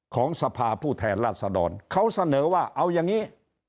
ของสภาผู้แทนราชดรเขาเสนอว่าเอาอย่างนี้